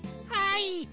はい。